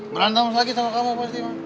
beruntung pak beruntung